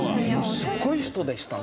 すごい人でしたね。